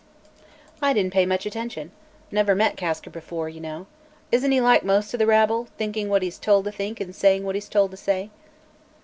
I didn't pay much attention. Never met Kasker before, you know. Isn't he like most of the rabble, thinking what he's told to think and saying what he's told to say?"